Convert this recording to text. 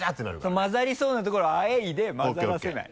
そのまざりそうなところをあえいでまざらせない。